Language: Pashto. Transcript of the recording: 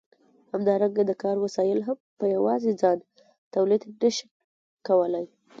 همدارنګه د کار وسایل هم په یوازې ځان تولید نشي کولای.